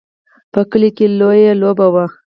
په کلي کې لویه لوبه وه.